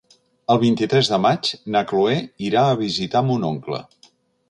El vint-i-tres de maig na Chloé irà a visitar mon oncle.